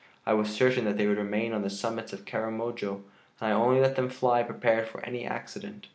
I was certain that they would remain on the summits of Karamojo and I only let them fly prepared for any accident.